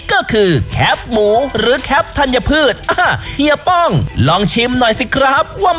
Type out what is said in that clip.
ก็คือเหมือนกินพริกหนุ่มธรรมดา